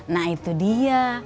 nah itu dia